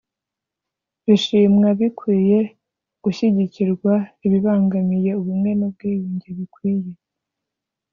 bishimwa bikwiye gushyigikirwa ibibangamiye ubumwe n ubwiyunge bikwiye